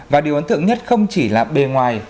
và điều ấn tượng nhất không chỉ là bề ngoài